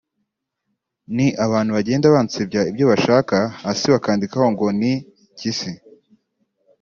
ni abantu bagenda bansebya ibyo bashaka hasi bakandika ngo ni Mpyisi